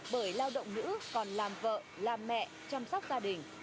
bởi lao động nữ còn làm vợ làm mẹ chăm sóc gia đình